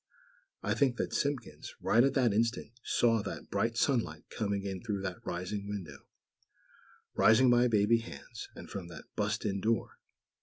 I think that Simpkins, right at that instant, saw that bright sunlight coming in through that rising window; rising by baby hands; and from that "bust in" door.